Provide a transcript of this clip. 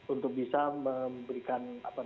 untuk bisa memberikan